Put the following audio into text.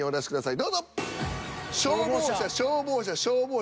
どうぞ。